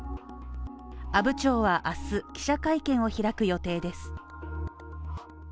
阿武町は明日、記者会見を開く予定です。